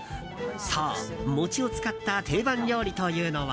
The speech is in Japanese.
そう、餅を使った定番料理というのは。